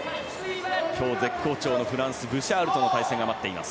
今日絶好調のフランスのブシャールの対戦が待っています。